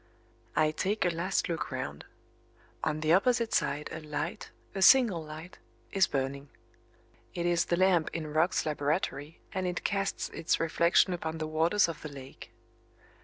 I take a last look round. On the opposite side a light, a single light, is burning. It is the lamp in Roch's laboratory and it casts its reflection upon the waters of the lake.